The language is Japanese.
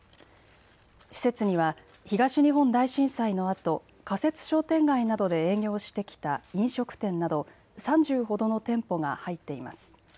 施設には東日本大震災のあと仮設商店街などで営業してきた飲食店など３０ほどの店舗が入っています。